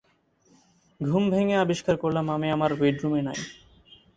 ঘুম ভেঙে আবিষ্কার করলাম আমি আমার বেডরুমে নাই।